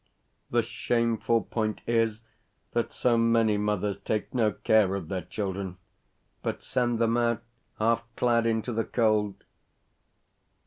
The shameful point is that so many mothers take no care of their children, but send them out, half clad, into the cold.